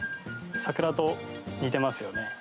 桜と似ていますよね。